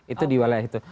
itu di wilayah itu